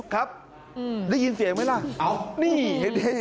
ครับได้ยินเสียงไหมล่ะ